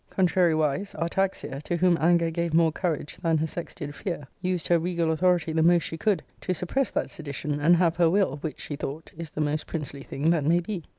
Contrari wise, Artaxia, to whom anger gave more courage than her sex did fear, used her regal authority the most she could, to suppress that sedition, and have her will, which, she thought, is the most princely thing that may be.